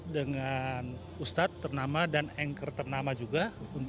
dengan ustadz ternama dan anchor ternama juga untuk itu kita sempat berlangsung ya